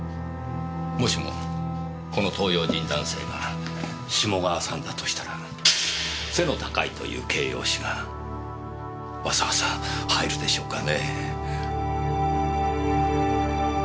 もしもこの東洋人男性が志茂川さんだとしたら「背の高い」という形容詞がわざわざ入るでしょうかね？